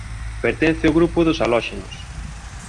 Pertence ó grupo dos halóxenos.